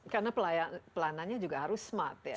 karena pelanannya juga harus smart ya